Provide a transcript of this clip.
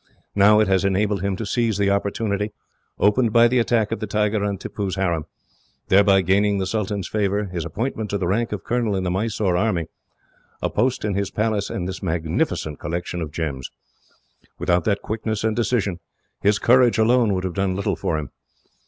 Now it has enabled him to seize the opportunity, opened by the attack of the tiger on Tippoo's harem, thereby gaining the Sultan's favour, his appointment to the rank of colonel in the Mysore army, a post in his Palace, and this magnificent collection of gems. Without that quickness and decision, his courage alone would have done little for him.